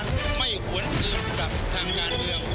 ไม่หวนอื่นกับทางยานเดียว